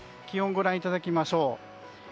気温をご覧いただきましょう。